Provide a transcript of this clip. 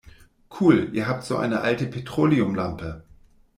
Cool, ihr habt so eine alte Petroleumlampe?